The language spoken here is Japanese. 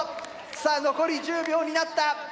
さあ残り１０秒になった！